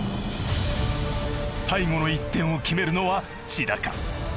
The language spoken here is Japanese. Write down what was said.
最後の１点を決めるのは千田か？